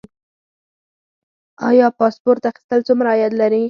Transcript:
آیا پاسپورت اخیستل څومره عاید لري؟